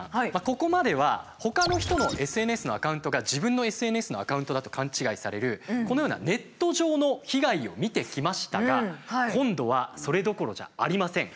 ここまではほかの人のＳＮＳのアカウントが自分のＳＮＳのアカウントだと勘違いされるこのようなネット上の被害を見てきましたが今度はそれどころじゃありません。